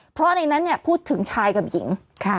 เพราะในนั้นพูดถึงชายกับหญิง